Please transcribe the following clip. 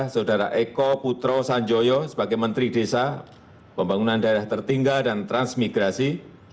saudara eko putro sanjoyo sebagai menteri desa pembangunan daerah tertinggal dan transmigrasi